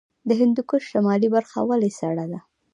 د هندوکش شمالي برخه ولې سړه ده؟